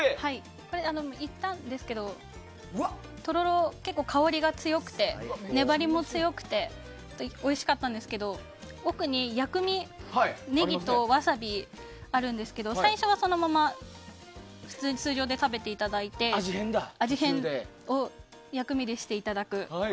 行ったんですけどとろろ、香りが強くて粘りも強くておいしかったんですけど奥に薬味、ネギとワサビがあるんですけど最初はそのまま通常で食べていただいて途中で味変を薬味でしていただく。